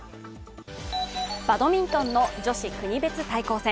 バドミントンの女子国別対抗戦